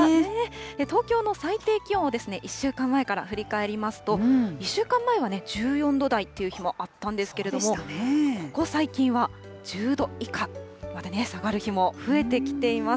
東京の最低気温を、１週間前から振り返りますと、１週間前は１４度台という日もあったんですけれども、ここ最近は、１０度以下までまた下がる日も増えてきています。